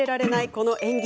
この演技。